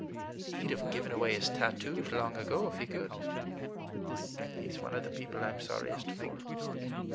He'd have given away his tattoos long ago, if he could. He's one of the people I'm sorriest for."